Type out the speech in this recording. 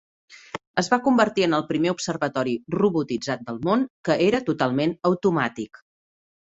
Es va convertir en el primer observatori robotitzat del món que era totalment automàtic.